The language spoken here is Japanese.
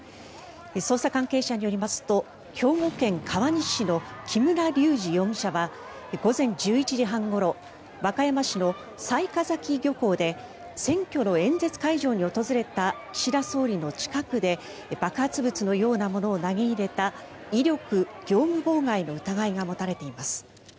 捜査関係者によりますと兵庫県川西市の木村隆二容疑者は午前１１時半ごろ和歌山市の雑賀崎漁港で選挙の演説会場に訪れた岸田総理の近くで爆発物のようなものを投げ入れた威力業務妨害の疑いが持たれています。